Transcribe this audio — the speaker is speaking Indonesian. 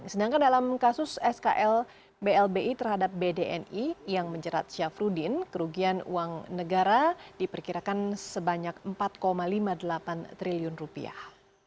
sedangkan dalam kasus skl blbi terhadap bdni yang menjerat syafruddin kerugian uang negara diperkirakan sebanyak empat lima puluh delapan triliun rupiah